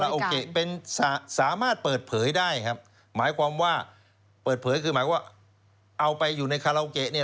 โอเคเป็นสามารถเปิดเผยได้ครับหมายความว่าเปิดเผยคือหมายว่าเอาไปอยู่ในคาราโอเกะเนี่ย